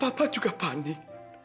papa juga panik